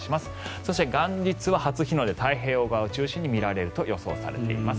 そして、元日は初日の出太平洋側を中心に見られると予想されています。